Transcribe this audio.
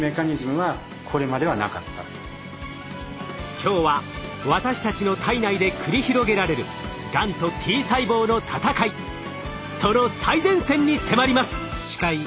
今日は私たちの体内で繰り広げられるがんとＴ細胞の闘いその最前線に迫ります。